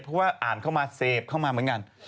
เพราะว่าอ่านเข้ามาเสพเข้ามาเหมือนกัน